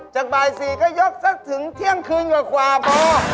จากบ่าย๔ก็ยกสักถึงเที่ยงคืนกว่าพอ